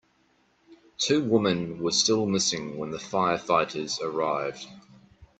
Two women were still missing when the firefighters arrived.